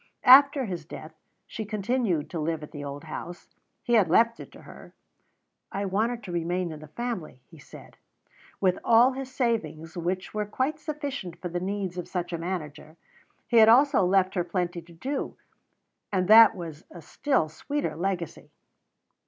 After his death, she continued to live at the old house; he had left it to her ("I want it to remain in the family," he said), with all his savings, which were quite sufficient for the needs of such a manager. He had also left her plenty to do, and that was a still sweeter legacy.